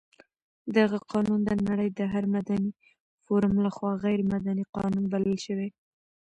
دغه قانون د نړۍ د هر مدني فورم لخوا غیر مدني قانون بلل شوی.